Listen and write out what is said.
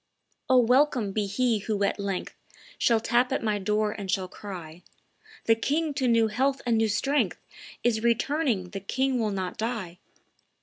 "O, welcome be he who at length Shall tap at my door and shall cry, 'The king to new health and new strength Is returning; the king will not die!